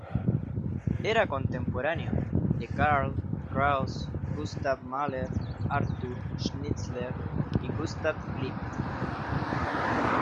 Era contemporáneo de Karl Kraus, Gustav Mahler, Arthur Schnitzler y Gustav Klimt.